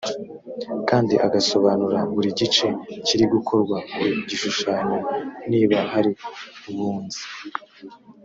kandi agasobanura buri gice kiri gukorwa ku gishushanyo niba hari ubunzi